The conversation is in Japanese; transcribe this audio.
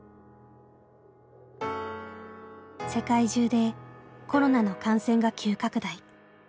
世界中でコロナの感染が急拡大。